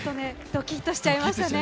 ドキッとしちゃいますね。